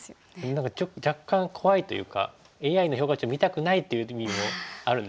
何か若干怖いというかＡＩの評価値を見たくないという時にもあるんですよね。